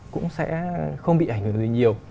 cũng sẽ không bị ảnh hưởng gì nhiều